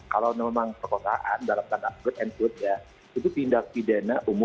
kalau memang perkosaan dalam tanda quote and quote ya itu tindak pidana umum